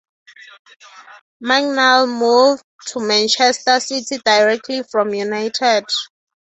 Mangnall moved to Manchester City directly from United.